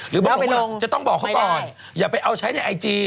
จะต้องบอกเขาก่อนอย่าไปเอาใช้ในไอจี